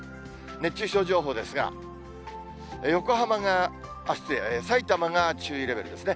熱中症情報ですが、横浜が、失礼、さいたまが注意レベルですね。